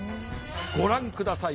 ご覧ください。